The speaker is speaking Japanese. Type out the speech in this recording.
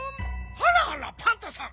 あらあらパンタさん！